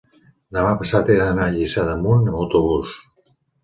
demà passat he d'anar a Lliçà d'Amunt amb autobús.